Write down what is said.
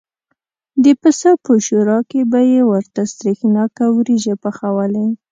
د پسه په شوروا کې به یې ورته سرېښناکه وریجې پخوالې.